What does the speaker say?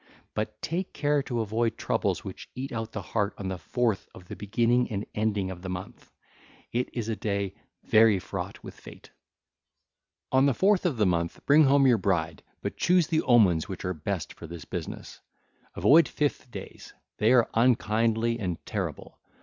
But take care to avoid troubles which eat out the heart on the fourth of the beginning and ending of the month; it is a day very fraught with fate. (ll. 800 801) On the fourth of the month bring home your bride, but choose the omens which are best for this business. (ll. 802 804) Avoid fifth days: they are unkindly and terrible.